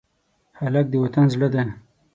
هلک د وطن زړه دی.